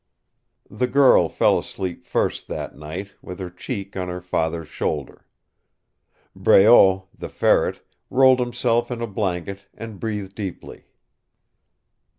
The girl fell asleep first that night, with her cheek on her father's shoulder. Breault, the Ferret, rolled himself in a blanket, and breathed deeply.